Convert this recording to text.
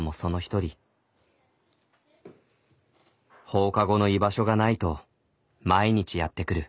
放課後の居場所がないと毎日やって来る。